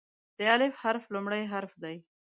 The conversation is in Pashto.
د "الف" حرف لومړی حرف دی.